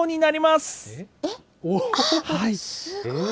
すごい。